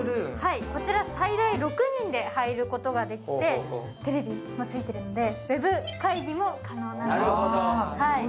こちら最大６人で入ることができてテレビもついてるんで、ウェブ会議も可能なんです。